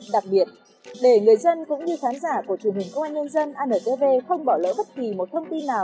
đặc biệt để người dân cũng như khán giả của truyền hình công an nhân dân antv